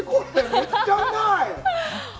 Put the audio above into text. めっちゃうまい。